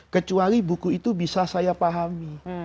kecuali buku itu bisa saya pahami